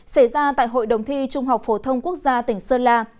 xảy ra tại hội đồng thi trung học phổ thông quốc gia tỉnh sơn la